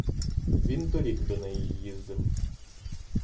Він торік до неї їздив.